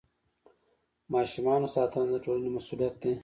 د ماشومانو ساتنه د ټولنې مسؤلیت دی.